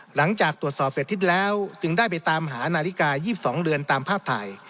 หลังจากตรวจสอบเสร็จทิศแล้วจึงได้ไปตามหานาฬิกา๒๒เดือนตามภาพถ่าย